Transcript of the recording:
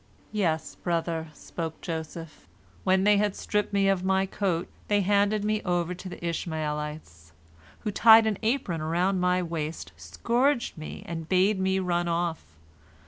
"Yes, brother," spoke Joseph, "when they had stripped me of my coat, they handed me over to the Ishmaelites, who tied an apron around my waist, scourged me, and bade me run off.